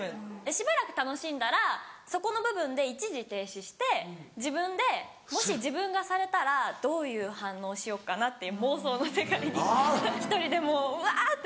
しばらく楽しんだらそこの部分で一時停止して自分でもし自分がされたらどういう反応しようかなっていう妄想の世界に１人でもううわってなって。